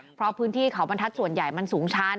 เพราะพื้นที่เขาบรรทัศน์ส่วนใหญ่มันสูงชั้น